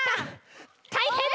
たいへんだ！